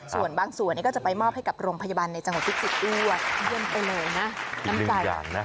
ส่วนบางส่วนนี้ก็จะไปมอบให้กับโรงพยาบาลในจังหวัดศิษย์อู๋ยืนไปเลยนะ